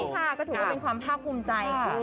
ใช่ค่ะก็ถือว่าเป็นความภาคภูมิใจ